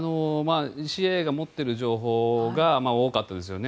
ＣＩＡが持っている情報が多かったですよね。